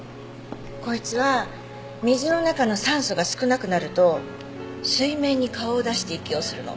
こいつは水の中の酸素が少なくなると水面に顔を出して息をするの。